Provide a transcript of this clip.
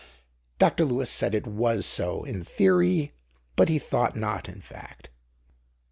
Dr. Lewis said it was so, in theory, but he thought not in fact.